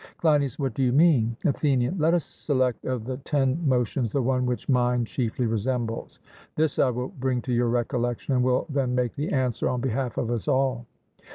CLEINIAS: What do you mean? ATHENIAN: Let us select of the ten motions the one which mind chiefly resembles; this I will bring to your recollection, and will then make the answer on behalf of us all.